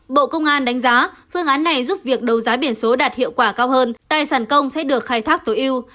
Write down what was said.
bộ công an đánh giá phương án này giúp việc đấu giá biển số đạt hiệu quả cao hơn tài sản công sẽ được khai thác tối ưu